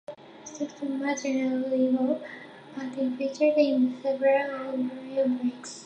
Stephen Maturin's loblolly boy, Padeen, features in several of O'Brian's books.